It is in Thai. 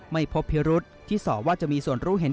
ไม่พบพิรุษที่สอว่าจะมีส่วนรู้เห็น